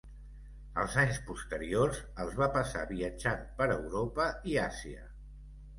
Els anys posteriors els va passar viatjant per Europa i Àsia.